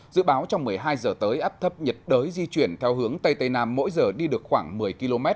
dự báo trong một mươi hai giờ tới áp thấp nhiệt đới di chuyển theo hướng tây tây nam mỗi giờ đi được khoảng một mươi km